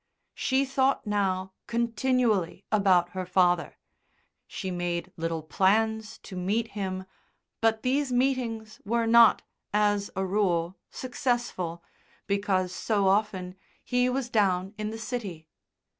She thought now continually about her father. She made little plans to meet him, but these meetings were not, as a rule, successful, because so often he was down in the city.